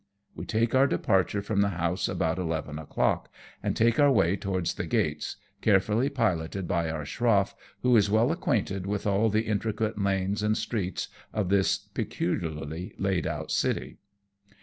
We take our departure from the house about eleven o'clock, and take our way towards the gates, carefully piloted by our schroff, who is well acquainted with all the intricate lanes and streets of this peculiarly laid out city.